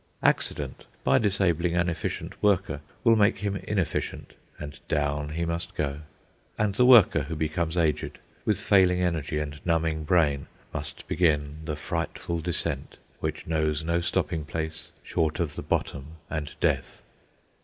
Accident, by disabling an efficient worker, will make him inefficient, and down he must go. And the worker who becomes aged, with failing energy and numbing brain, must begin the frightful descent which knows no stopping place short of the bottom and death.